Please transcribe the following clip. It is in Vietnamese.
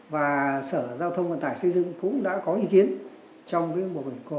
và sở giao thông vận tải xây dựng cũng đã có ý kiến trong một cuộc họp đấy rồi